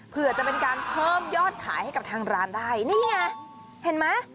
เพื่อจะเป็นการเพิ่มยอดขายให้กับทางร้านได้นี่ไงเห็นไหม